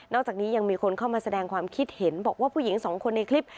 อกจากนี้ยังมีคนเข้ามาแสดงความคิดเห็นบอกว่าผู้หญิงสองคนในคลิป